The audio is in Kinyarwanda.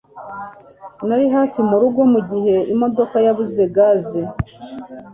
Nari hafi murugo mugihe imodoka yabuze gaze